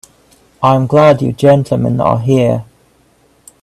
I'm glad you gentlemen are here.